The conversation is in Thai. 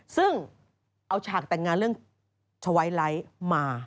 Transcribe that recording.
ซึ่งเอาฉากแต่งงานเรื่องชวัยไลท์มา